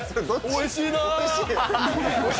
おいしいな。